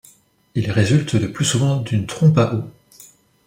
Il résulte le plus souvent d'une trompe à eau.